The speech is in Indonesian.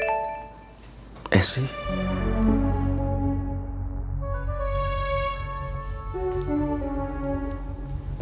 dia mau nelpon satu jam lagi